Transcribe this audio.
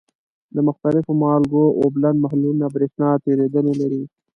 د مختلفو مالګو اوبلن محلولونه برېښنا تیریدنې لري.